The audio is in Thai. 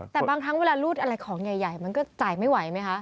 แต่บางครั้งเวลารูดอะไรของใหญ่มันก็จ่ายไม่ไหวไหมคะ